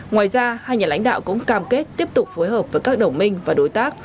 ngoài ra hai nhà lãnh đạo cũng cam kết tiếp tục phối hợp với các đồng minh và đối tác